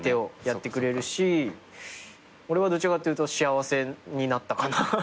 俺はどちらかというと幸せになったかな。